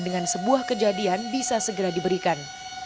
dengan sebuah kejadian bisa segera diberikan